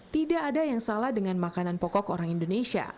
tidak ada yang salah dengan makanan pokok orang indonesia